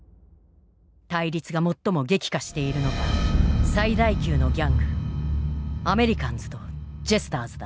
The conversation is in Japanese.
対立が最も激化しているのが最大級のギャングアメリカンズとジェスターズだ。